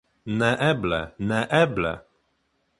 Neeble, neeble!